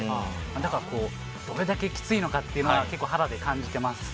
だからこう、どれだけきついのかっていうのは結構肌で感じてます。